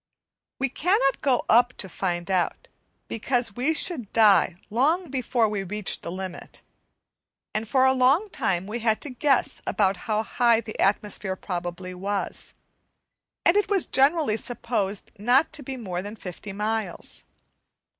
We cannot go up to find out, because we should die long before we reached the limit; and for a long time we had to guess about how high the atmosphere probably was, and it was generally supposed not to be more than fifty miles.